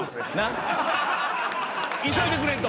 急いでくれんと。